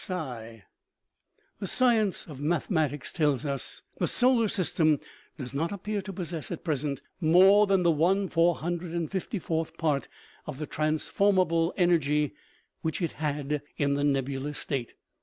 The science of mathematics tells us :" The solar system does not appear to possess at present more than the one four hundred and fifty fourth part of the transformable en ergy which it had in the nebulous state.